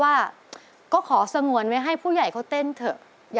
มันมีเสแน่มากเลยอะ